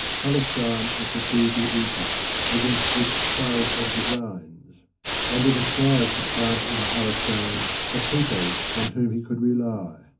Palestine was the key to Egypt, against which Cyrus had designs, and it was wise to plant in Palestine a people on whom he could rely.